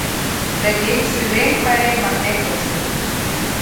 Тыге сӱрем пайрем марте коштыт.